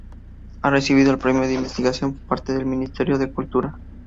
Ha recibido el Premio de Investigación por parte del Ministerio de Cultura.